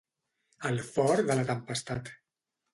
Al fort de la tempestat.